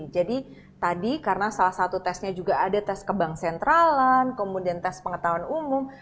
jadi tadi karena salah satu tesnya juga ada tes ke bank sentralan kemudian tes pengetahuan umum